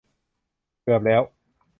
เกือบแล้ว